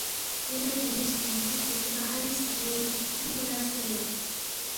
یلے پولِیس کُن، دی فوٹو باہری ستاغوے تھیوق تھیم پو لہ سپیارے یوق